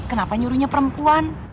kenapa nyuruhnya perempuan